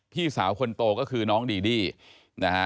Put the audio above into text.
พี่สาวคนโตก็คือน้องดีดี้นะฮะ